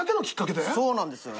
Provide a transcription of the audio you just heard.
そうなんですよ。